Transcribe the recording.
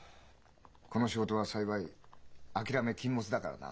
この仕事は幸い諦め禁物だからな。